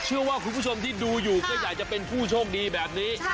เชื่อว่าคุณผู้ชมที่ดูอยู่ก็อยากจะเป็นผู้โชคดีแบบนี้